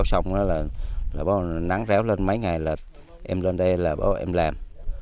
rồi sau mưa bão xong là bóng nắng réo lên mấy ngày là em lên đây là bóng em làm